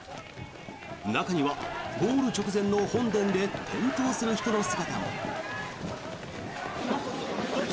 中にはゴール直前の本殿で転倒する人の姿も。